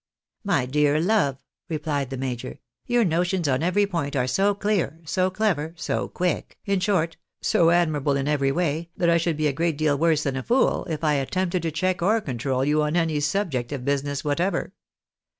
" My dear love," replied the major, " your notions on every point are so clear, so clever, so quick— in short, so admirable in every way, that I should be a great deal worse than a fool if I attempted to check or control you on any subject of business what ever.